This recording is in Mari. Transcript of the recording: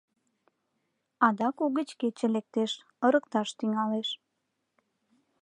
Адак угыч кече лектеш, ырыкташ тӱҥалеш.